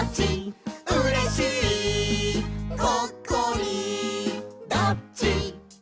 うれしいがっかりどっち？」